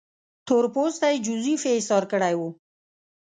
تور پوستی جوزیف یې ایسار کړی وو.